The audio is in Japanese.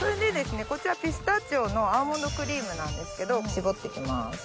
こちらピスタチオのアーモンドクリームなんですけど絞って行きます。